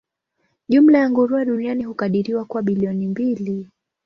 Jumla ya nguruwe duniani hukadiriwa kuwa bilioni mbili.